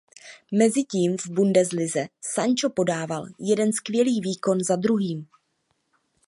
Mezitím v Bundeslize Sancho podával jeden skvělý výkon za druhým.